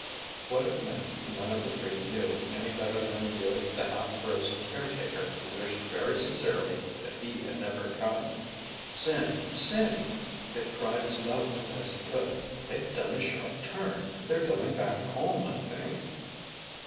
What it meant none of the three knew any better than did the half frozen caretaker who wished very sincerely that he had never come. "Sandy! Sandy!" Dick cried as loudly as he could. "They've done a sharp turn—they're going back home I think!"